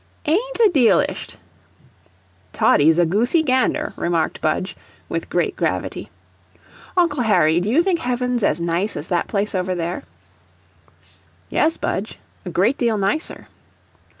"AIN'T a 'dealisht." "Toddy's a goosey gander," remarked Budge, with great gravity. "Uncle Harry, do you think heaven's as nice as that place over there?" "Yes, Budge, a great deal nicer."